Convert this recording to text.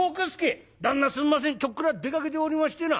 「旦那すんませんちょっくら出かけておりましてな」。